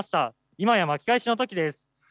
今や巻き返しの時です。